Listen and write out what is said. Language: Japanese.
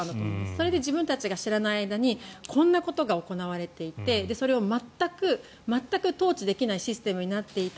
それで自分たちが知らない間にこんなことが行われていてそれを全く統治できないシステムになっていた。